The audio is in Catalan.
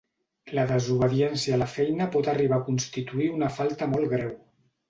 La desobediència a la feina pot arribar a constituir una falta molt greu.